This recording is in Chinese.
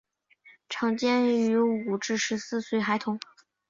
常见于五至十四岁孩童。